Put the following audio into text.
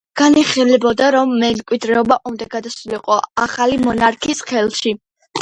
განიხილებოდა, რომ მემკვიდრეობა უნდა გადასულიყო ახალი მონარქის ხელში.